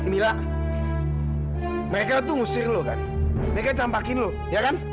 mila mereka tuh ngusir lo kan mereka campakin lo ya kan